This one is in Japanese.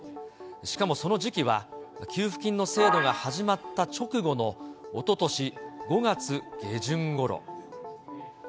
しかもその時期は、給付金の制度が始まった直後のおととし５月下旬ごろ。